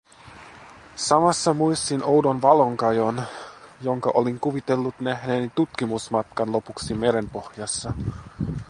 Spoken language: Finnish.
Samassa muistin oudon valonkajon, jonka olin kuvitellut nähneeni tutkimusmatkan lopuksi merenpohjassa.